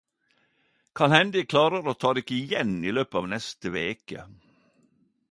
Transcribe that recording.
Kan hende eg klarer å ta dykk igjen i løpet av neste veke.